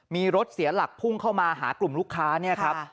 มีรถเสียหลักพุ่งเข้ามาหากลุ่มลูกค้าเนี่ยครับ